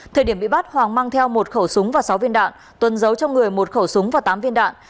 thời điểm bị bắt hoàng mang theo một khẩu súng và sáu viên đạn tuân giấu trong người một khẩu súng và tám viên đạn